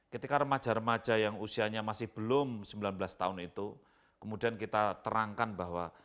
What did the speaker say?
ketika remaja remaja yang usianya masih belum sembilan belas tahun itu kemudian kita terangkan bahwa